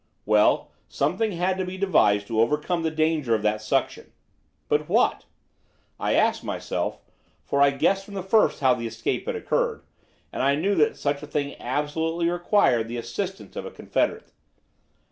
"Well, something had to be devised to overcome the danger of that suction. But what? I asked myself, for I guessed from the first how the escape had occurred, and I knew that such a thing absolutely required the assistance of a confederate.